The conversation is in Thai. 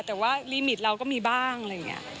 แต่ว่าลีมิตเราก็มีบ้างอะไรอย่างนี้